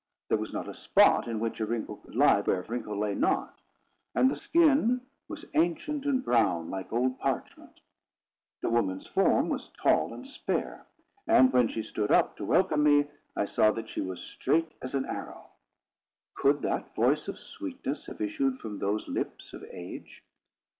There was not a spot in which a wrinkle could lie, where a wrinkle lay not. And the skin was ancient and brown, like old parchment. The woman's form was tall and spare: and when she stood up to welcome me, I saw that she was straight as an arrow. Could that voice of sweetness have issued from those lips of age?